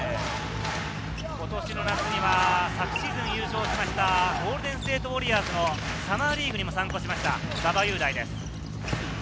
今年の夏には昨シーズン優勝しましたゴールデンステート・ウォリアーズのサマーリーグにも参加しました、馬場雄大です。